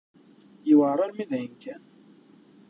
Yewɛeṛ armi d ayen kan.